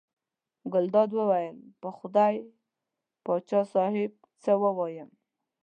ګلداد وویل: په خدای پاچا صاحب څه ووایم.